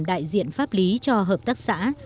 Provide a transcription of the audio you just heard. đại diện pháp lý cho hợp tác xã